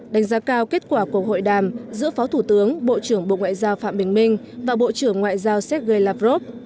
đánh giá cao kết quả cuộc hội đàm giữa phó thủ tướng bộ trưởng bộ ngoại giao phạm bình minh và bộ trưởng ngoại giao sergei lavrov